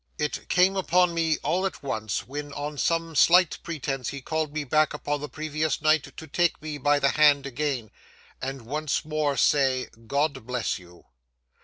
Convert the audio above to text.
It came upon me all at once when on some slight pretence he called me back upon the previous night to take me by the hand again, and once more say, 'God bless you.